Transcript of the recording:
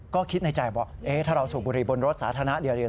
ก็คิดในใจบอกถ้าเราสูบบุหรีบนรถสาธารณะเดียว